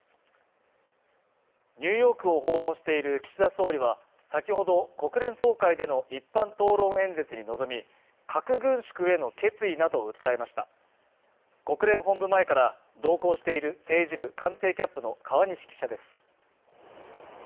ニューヨークを訪問している岸田総理は先ほど国連総会での一般討論演説に臨み核軍縮への決意などを訴えました国連本部前から同行している政治部官邸キャップの川西記者です